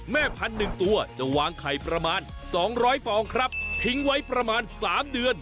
แม่พันธุ์๑ตัวจะวางไข่ประมาณ๒๐๐ฟองครับทิ้งไว้ประมาณ๓เดือน